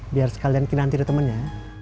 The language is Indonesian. biar sekalian kirantir temennya